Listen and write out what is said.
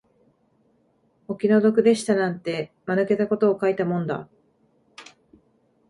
お気の毒でしたなんて、間抜けたことを書いたもんだ